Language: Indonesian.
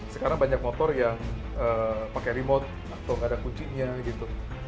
sekarang banyak motor yang pakai remote atau nggak ada kuncinya gitu